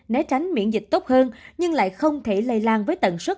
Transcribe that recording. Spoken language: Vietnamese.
né tránh miễn dịch tốt hơn nhưng lại không thể lây lan với tần suất